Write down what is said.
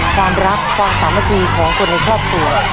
ความรักความสามัคคีของคนในครอบครัว